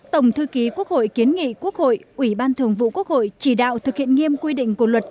tổng thư ký quốc hội kiến nghị quốc hội ủy ban thường vụ quốc hội chỉ đạo thực hiện nghiêm quy định của luật